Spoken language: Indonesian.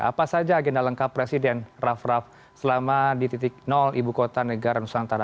apa saja agenda lengkap presiden raff raff selama di titik ibu kota negara nusantara